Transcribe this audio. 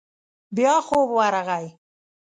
بيا خوب ورغی.